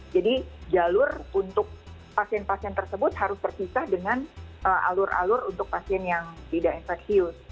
jadi jalur untuk pasien pasien tersebut harus terpisah dengan alur alur untuk pasien yang tidak infeksi